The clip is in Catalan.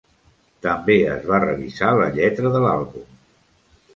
També es va revisar la lletra de l'àlbum.